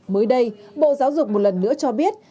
mới đây bộ giáo dục một lần nữa cho biết